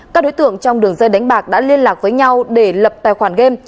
các đối tượng trong đường dây đánh bạc đã liên lạc với nhau để lập tài khoản game